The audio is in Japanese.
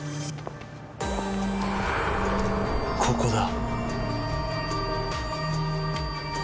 ここだ。